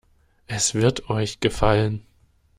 Es wird euch gefallen.